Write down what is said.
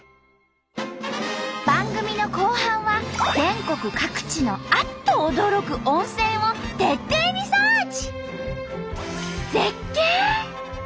番組の後半は全国各地のあっと驚く温泉を徹底リサーチ！